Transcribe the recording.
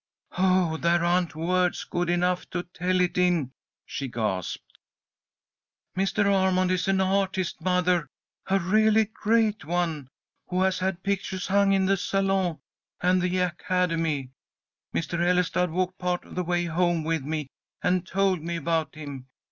"Oh, there aren't words good enough to tell it in!" she gasped. "Mr. Armond is an artist, mother, a really great one, who has had pictures hung in the Salon and the Academy. Mr. Ellestad walked part of the way home with me, and told me about him.